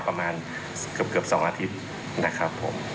ประมาณเกือบ๒อาทิตย์นะครับผม